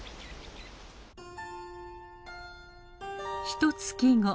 ひとつき後。